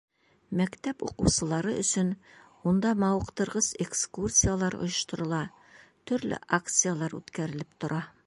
Мәктәп уҡыусылары өсөн унда мауыҡтырғыс экскурсиялар ойошторола, төрлө акциялар үткәрелеп тора.